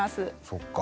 そっか。